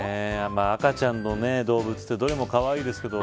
赤ちゃんの動物ってどれもかわいいですけど